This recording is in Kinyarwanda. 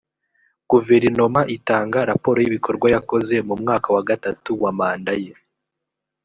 guverinoma itanga raporo y’ ibikorwa yakoze mu mwaka wa gatatu wa manda ye